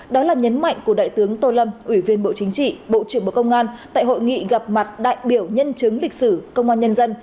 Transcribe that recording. đó là nhấn mạnh của đại tướng tô lâm ủy viên bộ chính trị bộ trưởng bộ công an tại hội nghị gặp mặt đại biểu nhân chứng lịch sử công an nhân dân